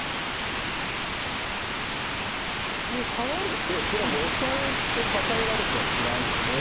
でハワれて黒もオサえてカカえられてはつらいので。